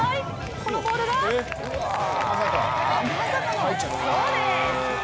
このボールがまさかのそうです。